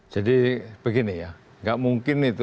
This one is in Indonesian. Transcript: jadi begini ya gak mungkin itu